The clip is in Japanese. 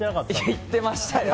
行ってましたよ。